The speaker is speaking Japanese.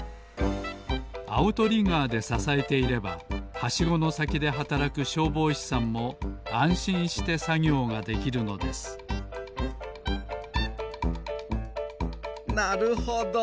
アウトリガーでささえていればはしごのさきではたらくしょうぼうしさんもあんしんしてさぎょうができるのですなるほど。